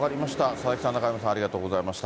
佐々木さん、中山さん、ありがとうございました。